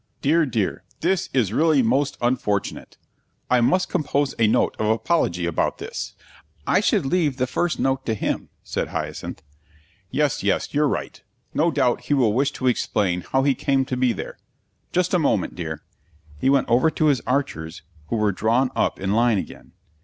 Dear, dear, this is really most unfortunate. I must compose a note of apology about this." "I should leave the first note to him," said Hyacinth. "Yes, yes, you're right. No doubt he will wish to explain how he came to be there. Just a moment, dear." He went over to his archers, who were drawn up in line again.